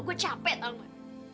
gue capek tau gak